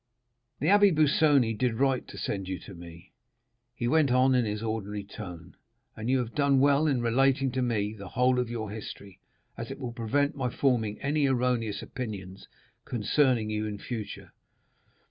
The Abbé Busoni did right to send you to me," he went on in his ordinary tone, "and you have done well in relating to me the whole of your history, as it will prevent my forming any erroneous opinions concerning you in future.